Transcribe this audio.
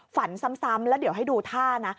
ฝันซ้ำแล้วเดี๋ยวให้ดูท่านะ